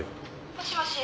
「もしもし？